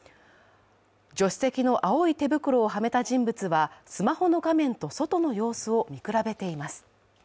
助手席の青い手袋をはめた人物はスマホの画面と外の様子を見比べています。